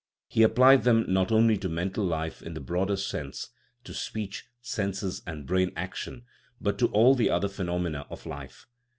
He applied them, not only to men tal life in the broader sense (to speech, senses, and brain action), but to all the other phenomena of life.